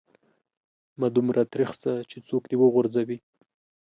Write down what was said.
مه دومره تريخ سه چې څوک دي و غورځوي.